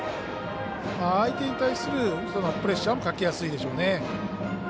相手に対するプレッシャーもかけやすいでしょうね。